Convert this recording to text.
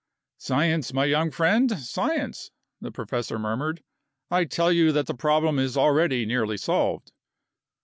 "Science, my young friend science," the professor murmured. "I tell you that the problem is already nearly solved."